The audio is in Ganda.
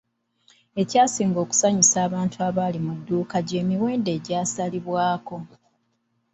Ekyasinga okusanyusa abantu abaali mu dduuka gy’emiwendo egyasalirwako.